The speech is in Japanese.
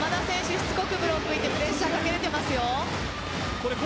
しつこくブロックいってプレッシャーかけられていますよ。